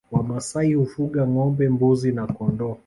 Wamasai hufuga ngombe mbuzi na kondoo